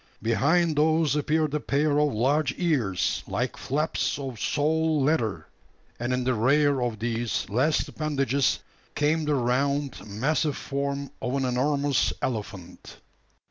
Behind those appeared a pair of large ears, like flaps of sole leather; and in the rear of these last appendages came the round, massive form of an enormous elephant!